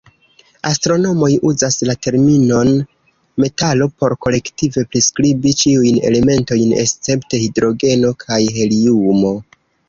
Astronomoj uzas la terminon "metalo" por kolektive priskribi ĉiujn elementojn escepte hidrogeno kaj heliumo.